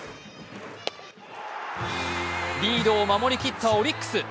リードを守り切ったオリックス。